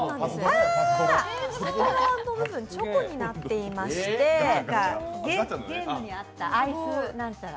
桜の部分、チョコになっていまして、ゲームにあったアイスなんたら。